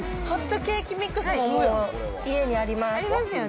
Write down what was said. ホットケーキミックスももう家にあります。